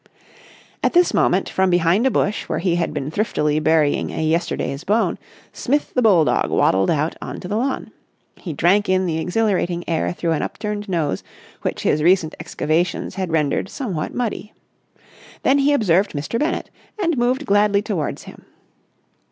At this moment, from behind a bush where he had been thriftily burying a yesterday's bone, Smith the bulldog waddled out on to the lawn. He drank in the exhilarating air through an upturned nose which his recent excavations had rendered somewhat muddy. Then he observed Mr. Bennett, and moved gladly towards him.